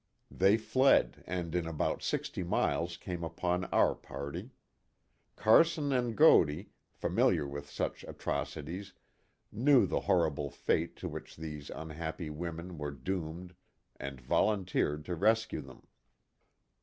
They fled, and in about sixty miles came upon our party. Carson and Godey, famil iar with such atrocities, knew the horrible fate to which these unhappy women were doomed and volunteered to rescue them.